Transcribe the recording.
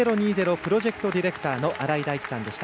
プロジェクトディレクターの新井大基さんでした。